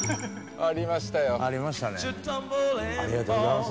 ありがとうございます。